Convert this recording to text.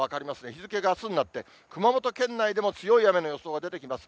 日付があすになって、熊本県内でも強い雨の予想が出てきます。